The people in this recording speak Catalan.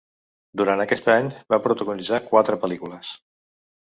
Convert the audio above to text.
Durant aquest any, va protagonitzar quatre pel·lícules.